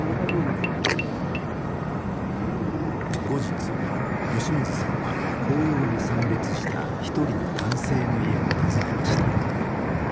後日吉水さんは法要に参列した一人の男性の家を訪ねました。